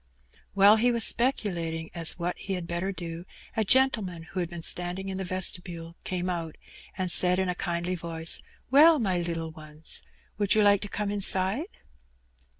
While he was speculating as to what he had better do, k gentleman who had been standing in the vestibule came mt, and said in a kindly voice, *' Well, my little ones, would rou like to come inside?'